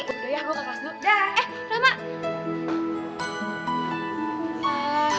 udah ya gue kekasih lo dah eh rahma